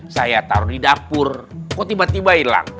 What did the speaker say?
saya taruh di dapur kok tiba tiba hilang